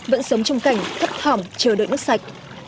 vẫn sống trong cảnh thấp thỏm chờ đợi nước sạch